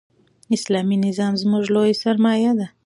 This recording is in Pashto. اسلامي نظام زموږ لویه سرمایه ده.